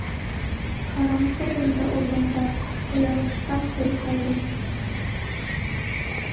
Ҡараңғы бында урмандар, Оялыштан тын ҡалдым.